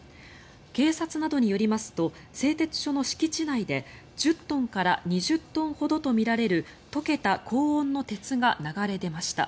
警察などによりますと製鉄所の敷地内で１０トンから２０トンほどとみられる溶けた高温の鉄が流れ出ました。